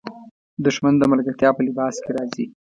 دښمن د ملګرتیا په لباس کې راځي